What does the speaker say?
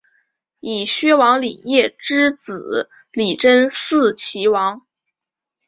以薛王李业之子李珍嗣岐王。